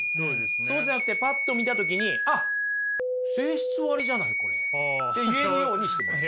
そうじゃなくてパッと見た時に「あっ性質割じゃないこれ」って言えるようにしてもらう。